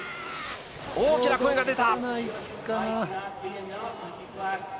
大きな声が出た。